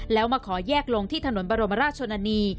แล้วมาขอแยกลงที่ถนนบรมราชชนนานี